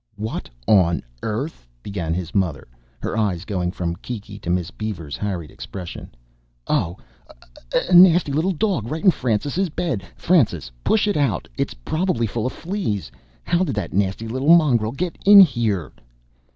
"What on earth ..." began his mother, her eyes going from Kiki to Miss Beaver's harried expression. "Oh! A nasty little dog right in Francis's bed! Francis, push it out! It's probably full of fleas. How did that nasty little mongrel get in here?"